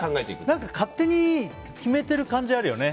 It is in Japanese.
何か勝手に決めている感じがあるよね。